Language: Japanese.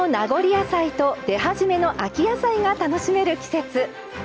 野菜と出始めの秋野菜が楽しめる季節。